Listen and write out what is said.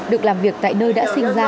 được làm việc tại nơi đã sinh ra